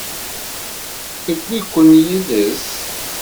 Tewwi-ken yid-s?